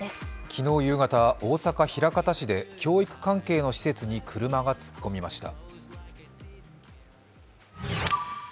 昨日夕方、大阪枚方市で教育関係の施設に車が突っ込みました。